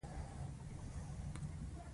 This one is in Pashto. ما پخوا هم ډیر ځله داسې شرکتونه پیل کړي دي